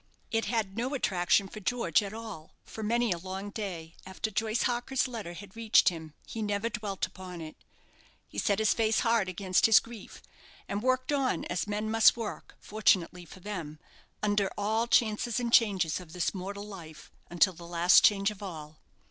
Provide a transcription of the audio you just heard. It had no attraction for George at all; for many a long day after Joyce Harker's letter had reached him he never dwelt upon it; he set his face hard against his grief, and worked on, as men must work, fortunately for them, under all chances and changes of this mortal life, until the last change of all.